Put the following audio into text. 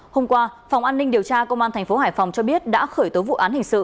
hôm qua phòng an ninh điều tra công an thành phố hải phòng cho biết đã khởi tố vụ án hình sự